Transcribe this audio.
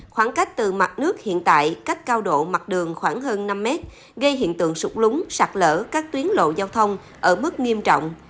khoảng cách từ mặt nước hiện tại cách cao độ mặt đường khoảng hơn năm mét gây hiện tượng sụt lúng sạt lỡ các tuyến lộ giao thông ở mức nghiêm trọng